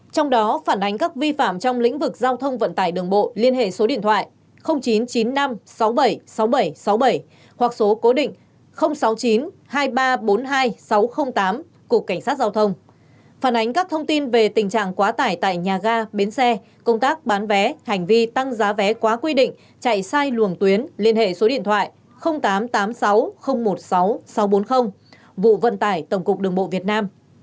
trong đó phản ánh các vi phạm trong lĩnh vực giao thông vận tải đường bộ liên hệ số điện thoại chín trăm chín mươi năm sáu mươi bảy sáu mươi bảy sáu mươi bảy hoặc số cố định sáu mươi chín hai mươi ba bốn mươi hai sáu trăm linh tám của cảnh sát giao thông phản ánh các thông tin về tình trạng quá tải tại nhà ga bến xe công tác bán vé hành vi tăng giá vé quá quy định chạy sai luồng tuyến liên hệ số điện thoại tám trăm tám mươi sáu một mươi sáu sáu trăm bốn mươi vụ vận tải tổng cục đường bộ việt nam